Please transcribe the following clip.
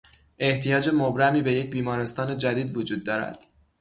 احتیاج مبرمی به یک بیمارستان جدید وجود دارد.